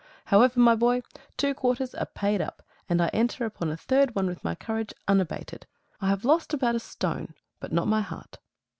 However, my boy, two quarters are paid up, and I enter upon a third one with my courage unabated. I have lost about a stone, but not my heart.